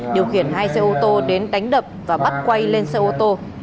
điều khiển hai xe ô tô đến đánh đập và bắt quay lên xe ô tô